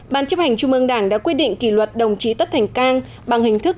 ban chấp hành chung mương đảng đã quyết định kỳ luật đồng chí tất thành cang bằng hình thức